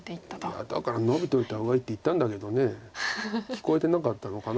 いやだからノビといた方がいいって言ったんだけど聞こえてなかったのかな？